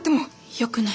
よくない。